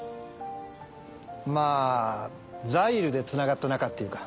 まぁザイルでつながった仲っていうか。